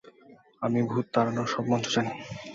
আমি ভূত তাড়ানো সব মন্ত্র জানি।